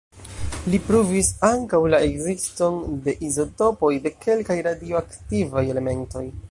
Li pruvis ankaŭ la ekziston de izotopoj de kelkaj radioaktivaj elementoj.